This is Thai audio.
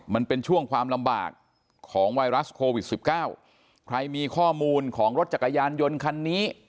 มันเป็นช่วงความลำบากของไวรัสโควิดสิบเก้าใครมีข้อมูลของรถจักรยานยนต์คันนี้